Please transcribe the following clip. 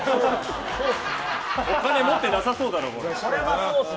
お金持ってなさそうだろ。